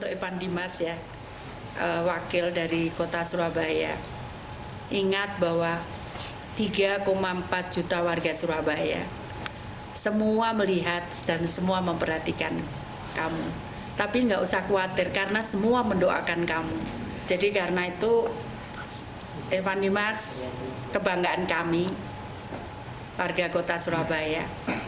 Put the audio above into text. evan dimas kebanggaan kami warga kota surabaya